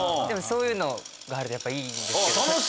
でもそういうのがあるとやっぱいいんですけど。